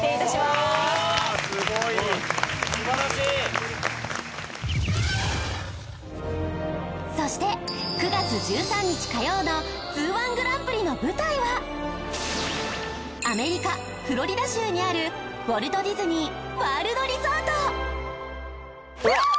すごい素晴らしいそして９月１３日火曜のＺＯＯ−１グランプリの舞台はアメリカ・フロリダ州にあるウォルト・ディズニー・ワールド・リゾートうわ！